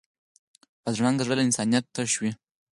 بدرنګه زړه له انسانیت تش وي